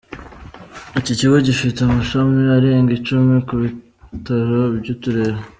Iki kigo gifite amashami arenga icumi ku bitaro by’uturere.